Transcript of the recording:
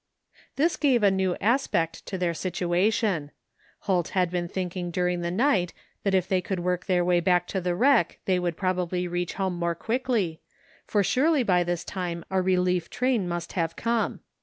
This gave a new aspect to their situation. Holt had been thinking during the night that if they could work their way back to the wreck they would probably reach home more quickly, for surely by this time a relief train must have come.